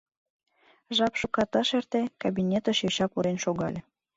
Жап шукат ыш эрте, кабинетыш йоча пурен шогале.